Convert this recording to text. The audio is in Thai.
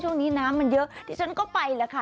ช่วงนี้น้ำมันเยอะฉันก็ไปค่ะ